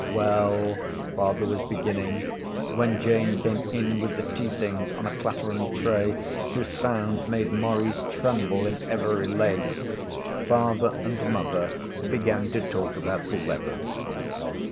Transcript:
'Well ,' father was beginning, when Jane came in with the tea things on a clattering tray, whose sound made Maurice tremble in every leg. Father and mother began to talk about the weather.